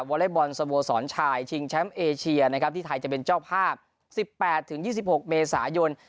อเล็กบอลสโมสรชายชิงแชมป์เอเชียนะครับที่ไทยจะเป็นเจ้าภาพ๑๘๒๖เมษายน